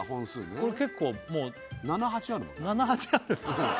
これ結構もう７８あるもんね